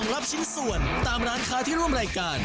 รับชิ้นส่วนตามร้านค้าที่ร่วมรายการ